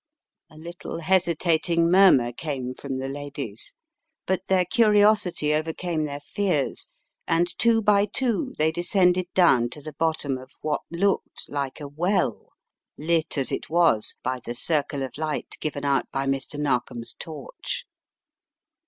A little hesitating murmur came from the ladies, but their curiosity overcame their fears, and two by two they descended down to the bottom of what looked like a well, lit as it was by the circle of light given out by Mr. Narkom's torch.